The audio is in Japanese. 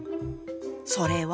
それは！